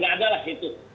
tidak ada lah itu